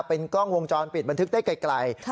เป็นกล้องวงจรปิดบันทึกได้ไกล